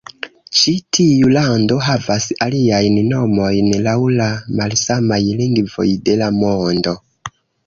Ĉi tiu lando havas aliajn nomojn laŭ la malsamaj lingvoj de la mondo.